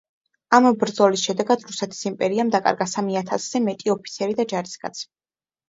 ამ ბრძოლის შედეგად რუსეთის იმპერიამ დაკარგა სამი ათასზე მეტი ოფიცერი და ჯარისკაცი.